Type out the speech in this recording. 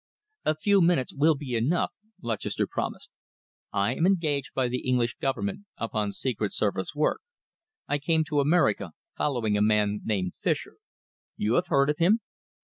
"A few minutes will be enough," Lutchester promised. "I am engaged by the English Government upon Secret Service work. I came to America, following a man named Fischer. You have heard of him?"